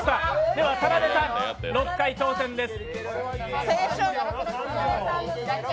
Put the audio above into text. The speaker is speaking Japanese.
では、田辺さん、６回挑戦です。